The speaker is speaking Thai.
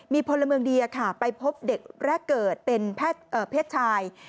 มีพลเมืองดีไปพบเด็กแรกเกิดเป็นเพศชาย